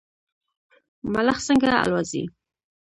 ملخ څنګه الوځي؟